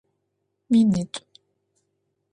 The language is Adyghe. Минитӏу.